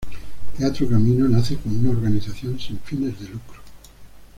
Teatro Camino nace como una organización sin fines de lucro.